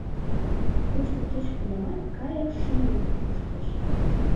Тушто кеч-кунамат кайык шӱльӧ кушкеш.